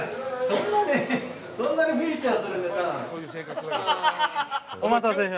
そんなに。